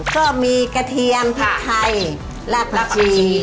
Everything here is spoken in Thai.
ก็มีกระเทียมพริกไทยรากผักชี